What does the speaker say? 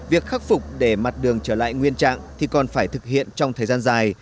việc khắc phục để mặt đường trở lại nguyên trạng thì còn phải thực hiện trong thời gian dài